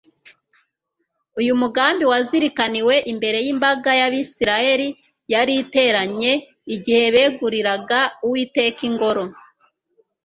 uyu mugambi wazirikaniwe imbere y'imbaga y'abisirayeli yari iteranye igihe beguriraga uwiteka ingoro